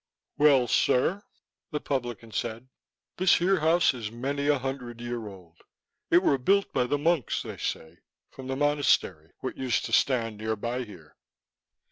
"Well, sir," the publican said, "This here house is a many a hundred year old. It were built by the monks, they say, from the monastery what used to stand nearby here.